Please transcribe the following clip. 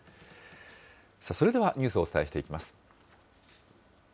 それではニュースをお伝えしていきます。